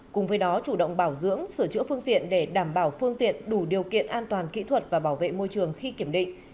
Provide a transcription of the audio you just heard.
cùng với đó chủ động bảo dưỡng sửa chữa phương tiện để đảm bảo phương tiện đủ điều kiện an toàn kỹ thuật và bảo vệ môi trường khi kiểm định